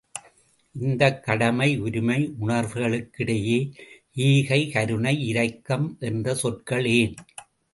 இந்தக் கடமை உரிமை உணர்வுகளுக்கிடையே ஈகை, கருணை, இரக்கம் என்ற சொற்கள் ஏன்?